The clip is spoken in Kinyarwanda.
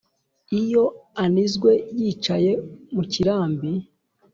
Iyo anizwe yicaye mu kirambi!